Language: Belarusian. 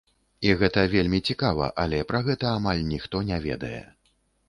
І гэта вельмі цікава, але пра гэта амаль ніхто не ведае.